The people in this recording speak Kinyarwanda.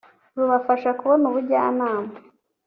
rubafasha kubona ubujyanama